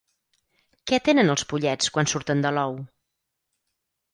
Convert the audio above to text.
Què tenen els pollets quan surten de l'ou?